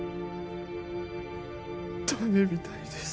ダメみたいです